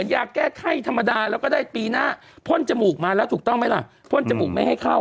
ในอนาคตไง